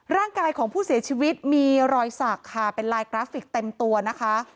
ร่างกายของผู้เสียชีวิตมีรอยสักค่ะเป็นลายกราฟิกเต็มตัวนะคะ